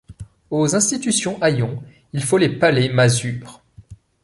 Aux institutions haillons il faut les palais masures.